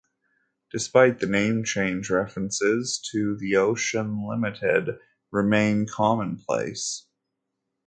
Despite the name change references to the "Ocean Limited" remain commonplace.